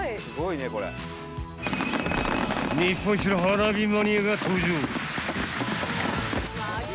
日本一の花火マニアが登場。